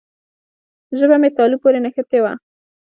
ژبه مې تالو پورې نښتې وه.